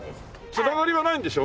繋がりはないんでしょ？